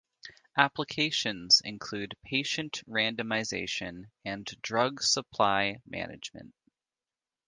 Applications include patient randomization and drug supply management.